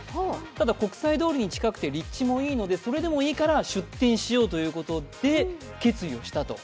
ただ、国際通りに近くて立地もいいのでそれでもいいから出店しようということで決意をしたと。